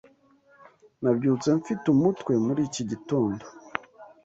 Nabyutse mfite umutwe muri iki gitondo.